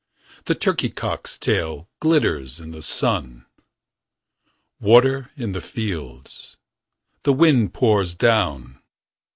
The turkey cock's tail Glitters in the sun. Water in the fields. The wind pours down.